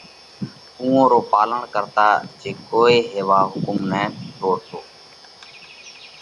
اُوئون رو پالڻ ڪرتا جي ڪوئي ھيوا حُڪم نئہ ٽوڙتو